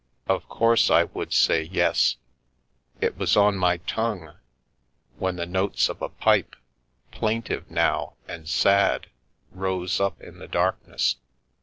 Of course I would say " yes "— it was on my tongue, when the notes of a pipe, plaintive now and sad, rose up in the darkness.